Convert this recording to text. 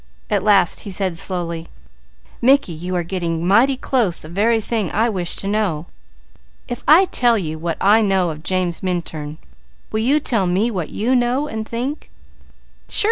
At last he said slowly: "Mickey, you are getting mighty close the very thing I wish to know. If I tell you what I know of James Minturn, will you tell me what you know and think?" "Sure!"